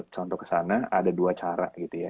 contoh kesana ada dua cara gitu ya